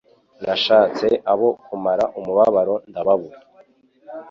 nashatse abo kumara umubabaro ndababura.